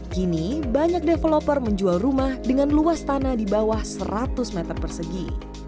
kini banyak developer menjual rumah dengan luas tanah di bawah seratus meter persegi